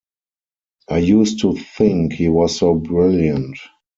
I used to think he was so brilliant.